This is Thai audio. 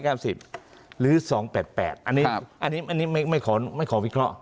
เก้าสิบหรือสองแปดแปดครับอันนี้อันนี้อันนี้ไม่ไม่ขอไม่ขอวิเคราะห์